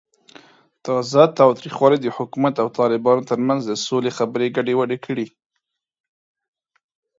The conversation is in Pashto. تازه تاوتریخوالی د حکومت او طالبانو ترمنځ د سولې خبرې ګډوډې کړې.